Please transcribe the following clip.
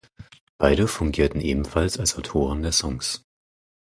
Beide fungierten ebenfalls als Autoren der Songs.